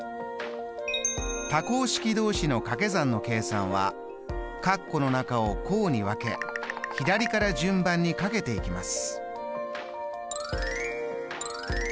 多項式同士のかけ算の計算は括弧の中を項に分け左から順番にかけていきます。